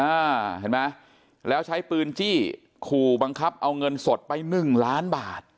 เห็นไหมแล้วใช้ปืนจี้ขู่บังคับเอาเงินสดไปหนึ่งล้านบาท